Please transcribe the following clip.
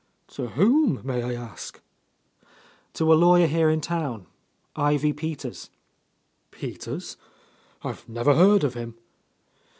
"To whom, may I ask?" "To a lawyer here in town; Ivy Peters." "Peters? I never heard of him."